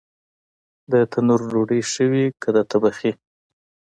د تنور ډوډۍ ښه وي که د تبخي؟